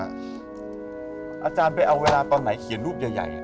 อาจารย์ไปเอาเวลาตอนไหนเขียนรูปใหญ่